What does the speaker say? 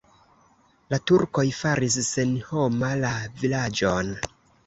La turkoj faris senhoma la vilaĝojn.